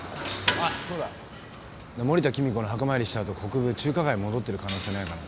そうだ森田貴美子の墓参りした後国府中華街に戻ってる可能性ないかな？